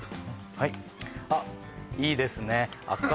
はいあっいいですね